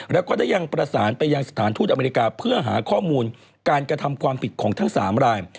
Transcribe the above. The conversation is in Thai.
แล้วก็ได้ยังประสานไปยังสถานทูตอเมริกาเพื่อหาข้อมูลการกระทำความผิดของทั้ง๓ราย